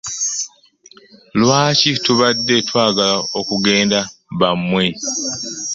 Lwaki tubadde twagala okugenda bammwe?